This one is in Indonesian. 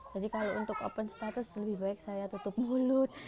jadi kalau untuk open status lebih baik saya tutup mulut